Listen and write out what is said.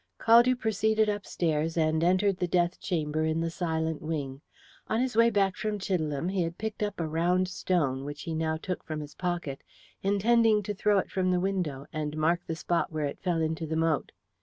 Caldew proceeded upstairs, and entered the death chamber in the silent wing. On his way back from Chidelham he had picked up a round stone, which he now took from his pocket, intending to throw it from the window, and mark the spot where it fell into the moat.